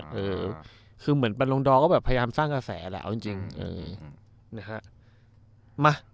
เออคือเหมือนปันลงดอก็แบบพยายามสร้างกระแสแล้วจริงจริงเออนะฮะมา